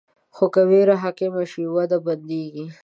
خو که ویره حاکمه شي، وده بندېږي.